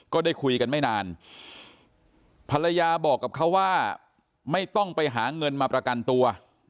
ก็ได้คุยกันไม่นานภรรยาบอกกับเขาว่าไม่ต้องไปหาเงินมาประกันตัว